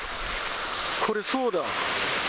これ、そうだ。